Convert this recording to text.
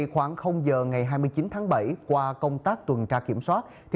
khoảng giờ ngày hai mươi chín tháng bảy qua công tác tuần tra kiểm soát